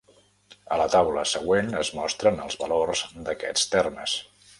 A la taula següent es mostren els valors d'aquests termes.